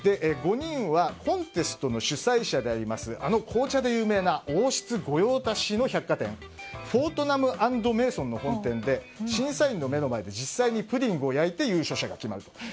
５人はコンテストの主催者であるあの紅茶で有名な王室御用達の百貨店フォートナム＆メイソンで審査員の目の前で実際にプディングを焼いて優勝者が決まると。